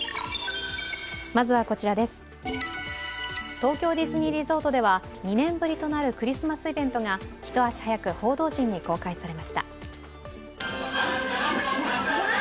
東京ディズニーリゾートでは２年ぶりとなるクリスマスイベントが一足早く報道陣に公開されました。